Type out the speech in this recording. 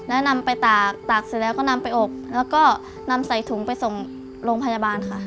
แล้วนำไปตากตากเสร็จแล้วก็นำไปอบแล้วก็นำใส่ถุงไปส่งโรงพยาบาลค่ะ